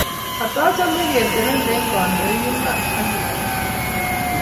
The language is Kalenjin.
katachame ketelel eng kandoik ,imanit ak kipagenge